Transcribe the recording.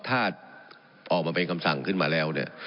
ถ้าออกมาเป็นคำสั่งขึ้นมาแล้วเนี่ย